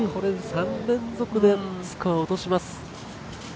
３連続でスコアを落とします。